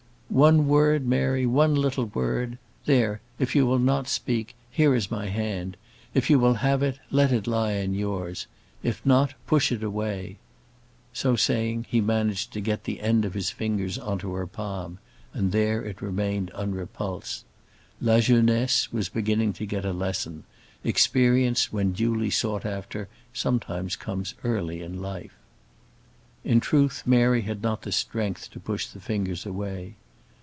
"One word, Mary; one little word. There, if you will not speak, here is my hand. If you will have it, let it lie in yours; if not, push it away." So saying, he managed to get the end of his fingers on to her palm, and there it remained unrepulsed. "La jeunesse" was beginning to get a lesson; experience when duly sought after sometimes comes early in life. In truth Mary had not strength to push the fingers away.